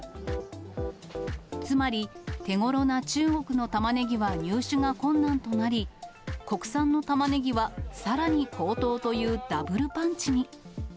つまり手ごろな中国のたまねぎは入手が困難となり、国産のたまねぎはさらに高騰というダブルパンチに。